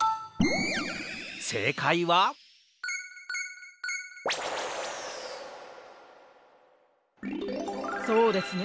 せいかいはそうですね